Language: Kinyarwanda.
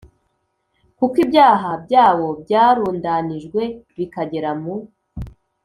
Kuko ibyaha byawo byarundanijwe bikagera mu